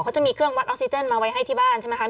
เขาจะมีเครื่องวัดออกซิเจนมาไว้ให้ที่บ้านใช่ไหมคะ